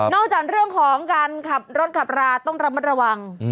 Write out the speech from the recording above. จากเรื่องของการขับรถขับราต้องระมัดระวัง